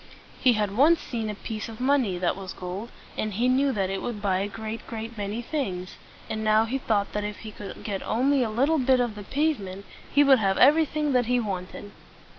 He had once seen a piece of money that was gold, and he knew that it would buy a great, great many things; and now he thought that if he could get only a little bit of the pave ment, he would have everything that he wanted.